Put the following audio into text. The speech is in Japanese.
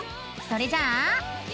それじゃあ。